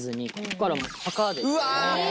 うわ！